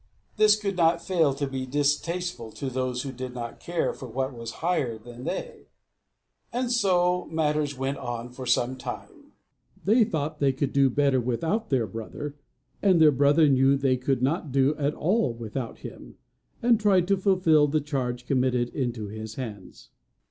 This could not fail to be distasteful to those who did not care for what was higher than they. And so matters went on for a time. They thought they could do better without their brother; and their brother knew they could not do at all without him, and tried to fulfil the charge committed into his hands.